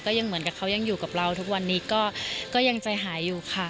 ยังเหมือนกับเขายังอยู่กับเราทุกวันนี้ก็ยังใจหายอยู่ค่ะ